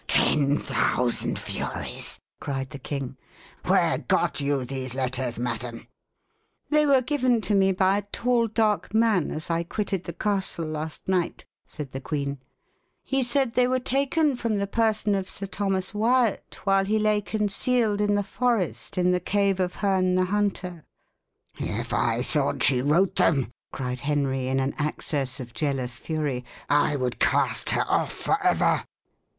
"Ten thousand furies!" cried the king. "Where got you these letters, madam?" "They were given to me by a tall dark man, as I quitted the castle last night," said the queen. "He said they were taken from the person of Sir Thomas Wyat while he lay concealed in the forest in the cave of Herne the Hunter." "If I thought she wrote them," cried Henry, in an access jealous fury, "I would cast her off for ever."